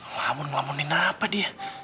ngelamun ngelamunin apa dia